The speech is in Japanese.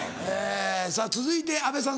さぁ続いて阿部さん